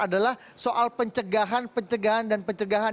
adalah soal pencegahan pencegahan dan pencegahan